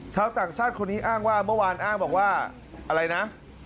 ชาวต่างชาติคนนี้อ้างว่าเมื่อวานอ้างบอกว่าอะไรนะ